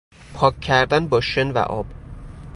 پاک کردن با شن و آب